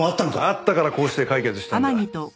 あったからこうして解決したんだ。